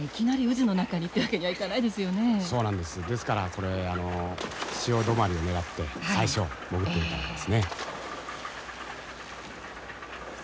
ですからこれ潮止まりを狙って最初潜ってみたんですね。